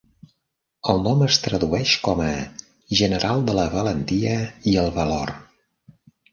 El nom es tradueix com a "General de la Valentia i el Valor".